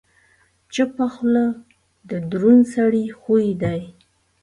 چپه خوله، د دروند سړي خوی دی.